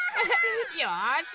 よし！